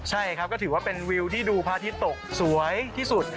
ใช่ครับก็ถือว่าเป็นวิวที่ดูพระอาทิตย์ตกสวยที่สุด